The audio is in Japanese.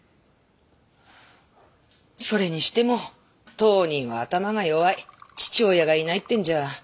それにしても当人は頭が弱い父親がいないってんじゃ